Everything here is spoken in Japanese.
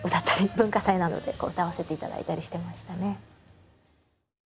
文化祭などで歌わせていただいたりしてましたね。